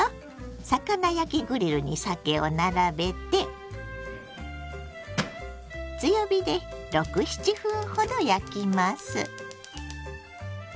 魚焼きグリルにさけを並べて強火で６７分ほど焼きます。